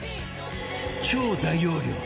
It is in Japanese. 超大容量！